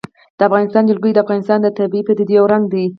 د افغانستان جلکو د افغانستان د طبیعي پدیدو یو رنګ دی.